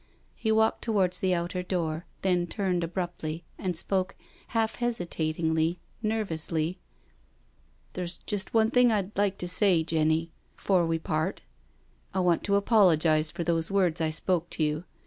He walked towards the outer door, then turned abruptly, and spoke half hesitatingly, nervously: "There's just one thing I'd like to say, Jenny, 'fore we part— I want to apologise for those words I spoke to you.